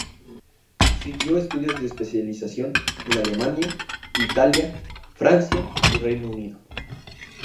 Siguió estudios de especialización en Alemania, Italia, Francia y Reino Unido.